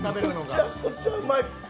めちゃくちゃうまい。